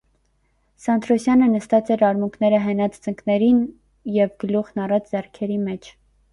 Սանթրոսյանը նստած էր արմունկները հենած ծնկներին և գլուխն առած ձեռքերի մեջ: